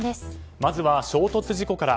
まずは衝突事故から。